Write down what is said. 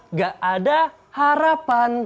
enggak ada harapan